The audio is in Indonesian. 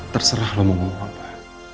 terserah kamu mau ngomong apa